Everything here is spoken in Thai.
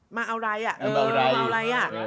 มาเอารายอ่ะ